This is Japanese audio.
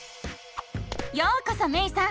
ようこそめいさん！